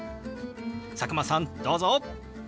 佐久間さんどうぞ！